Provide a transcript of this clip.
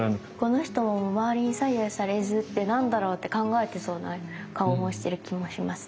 この人も「まわりに左右されずって何だろう？」って考えてそうな顔もしてる気もします。